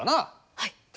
はい。